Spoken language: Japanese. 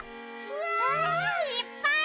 うわ！いっぱい。